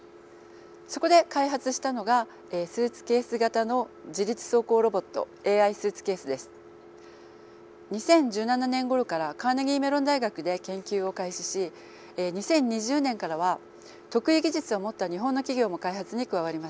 そこで開発したのが２０１７年ごろからカーネギーメロン大学で研究を開始し２０２０年からは得意技術を持った日本の企業も開発に加わりました。